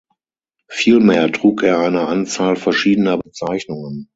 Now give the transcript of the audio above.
Vielmehr trug er eine Anzahl verschiedener Bezeichnungen.